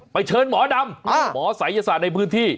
เชิญหมอดำหมอศัยศาสตร์ในพื้นที่